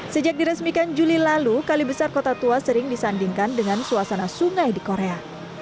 sejak diresmikan juli lalu kali besar kota tua sering disandingkan dengan suasana sungai di korea